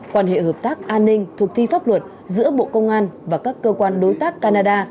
quan hệ hợp tác an ninh thực thi pháp luật giữa bộ công an và các cơ quan đối tác canada